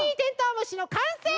むしのかんせい！